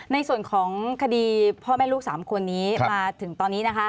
ในส่วนของคดีพ่อแม่ลูก๓คนนี้มาถึงตอนนี้นะคะ